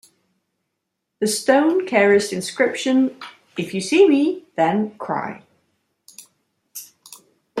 The stone carries the inscription "If you see me, then cry".